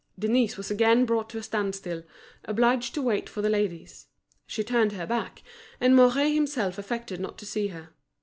Denise was again brought to a standstill, obliged to wait for the ladies. She turned her back, and Mouret himself affected not to see her.